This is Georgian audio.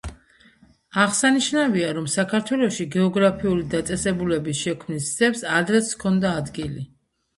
აღსანიშნავია, რომ საქართველოში გეოგრაფიული დაწესებულების შექმნის ცდებს ადრეც ჰქონდა ადგილი.